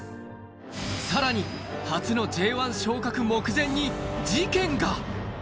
さらに、初のＪ１昇格目前に事件が。